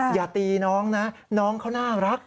อย่าตีน้องนะน้องเขาน่ารัก